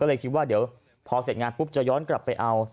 ก็เลยคิดว่าเดี๋ยวพอเสร็จงานปุ๊บจะย้อนกลับไปเอา